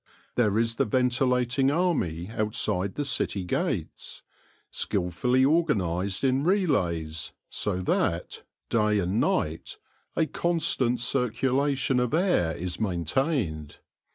There is the ventilating army outside the city gates, skilfully organised in relays, so that, day and night, a constant circulation of air is main tained.